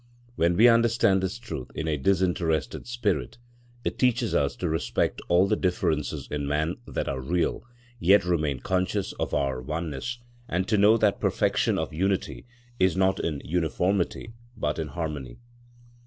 When we understand this truth in a disinterested spirit, it teaches us to respect all the differences in man that are real, yet remain conscious of our oneness; and to know that perfection of unity is not in uniformity, but in harmony.